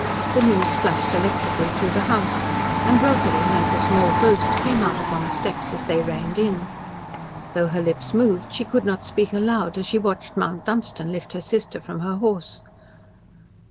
The news flashed electrically through the house, and Rosalie, like a small ghost, came out upon the steps as they reined in. Though her lips moved, she could not speak aloud, as she watched Mount Dunstan lift her sister from her horse.